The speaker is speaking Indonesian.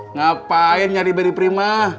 ngapain nyari beri prima